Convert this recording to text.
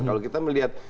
kalau kita melihat